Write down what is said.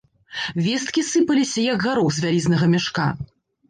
Весткі сыпаліся, як гарох з вялізнага мяшка.